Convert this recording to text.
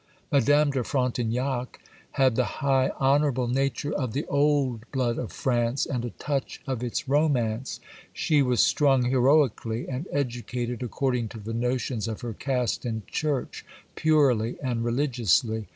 Madame de Frontignac had the high, honourable nature of the old blood of France, and a touch of its romance. She was strung heroically, and educated according to the notions of her caste and church, purely and religiously.